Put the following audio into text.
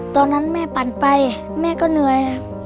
ตอนนั้นแม่ปั่นไปแม่ก็เหนื่อย